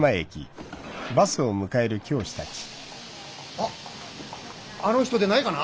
あっあの人でないかな？